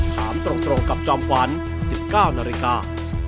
ถามตรงกับจอมขวัญ๑๙นาฬิกา